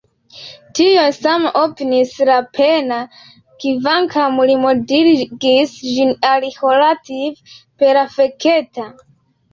Tion saman opiniis Lapenna, kvankam li moderigis ĝin al “relative perfekta”.